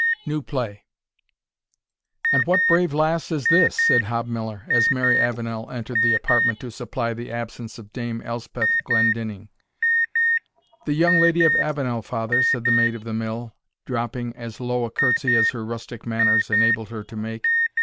NEW PLAY. "And what brave lass is this?" said Hob Miller, as Mary Avenel entered the apartment to supply the absence of Dame Elspeth Glendinning. "The young Lady of Avenel, father," said the Maid of the Mill, dropping as low a curtsy as her rustic manners enabled her to make.